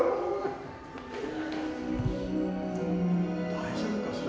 大丈夫かしら？